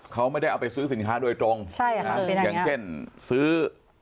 เขาไม่ได้เอาไปซื้อสินค้าโดยตรงใช่ค่ะเป็นอย่างเงี้ยอย่างเช่นซื้อ